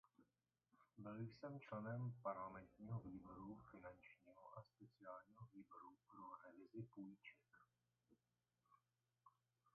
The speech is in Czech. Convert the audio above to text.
Byl členem parlamentního výboru finančního a speciálního výboru pro revizi půjček.